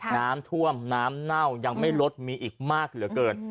น้ำท่วมน้ำเน่ายังไม่ลดมีอีกมากเหลือเกิน